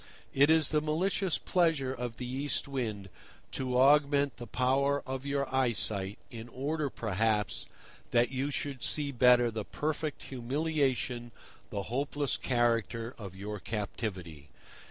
It is the malicious pleasure of the East Wind to augment the power of your eyesight, in order, perhaps, that you should see better the perfect humiliation, the hopeless character of your captivity.